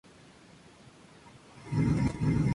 Realizó estudios de derecho, música, letras e historia.